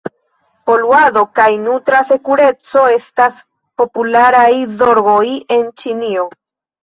Poluado kaj nutra sekureco estas popularaj zorgoj en Ĉinio.